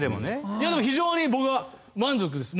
いやでも非常に僕は満足です。